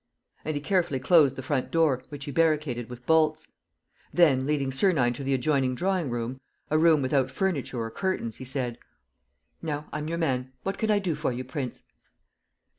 ..." And he carefully closed the front door, which he barricaded with bolts. Then, leading Sernine to the adjoining drawing room, a room without furniture or curtains, he said: "Now I'm your man. What can I do for you, prince?"